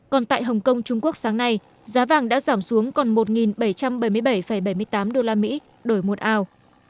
còn tại hồng kông trung quốc sáng nay giá vàng đã giảm xuống còn một bảy trăm bảy mươi bảy bảy mươi tám đô la mỹ đổi một ao